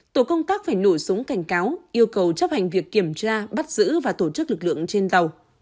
tổ công tác phải nổ súng cảnh cáo yêu cầu chấp hành việc kiểm tra bắt giữ và tổ chức lực lượng trên tàu